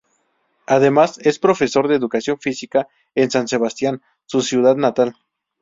Además, es profesor de educación física en San Sebastián, su ciudad natal.